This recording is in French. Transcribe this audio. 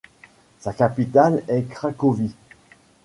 Sa capitale est Cracovie.